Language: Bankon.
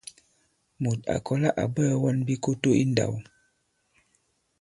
Mùt à kɔ̀la à bwɛɛ̄ wɔn bikoto i ndāw.